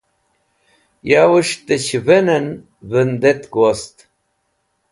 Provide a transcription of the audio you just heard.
yow'esh ta shiven'en vindetk wost